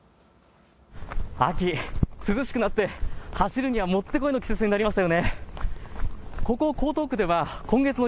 秋、涼しくなって走るにはもってこいの季節になりましたよね。